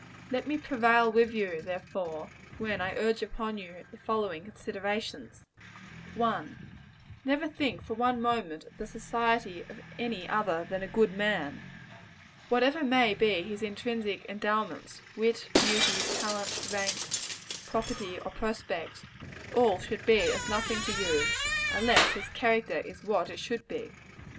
Let me prevail with you, therefore, when I urge upon you the following considerations: 1. Never think for one moment of the society of any other than a good man. Whatever may be his extrinsic endowments wit, beauty, talent, rank, property or prospects all should be as nothing to you, unless his character is what it should be.